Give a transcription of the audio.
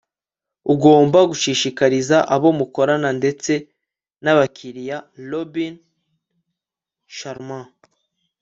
ugomba gushishikariza abo mukorana ndetse n'abakiriya. - robin s. sharma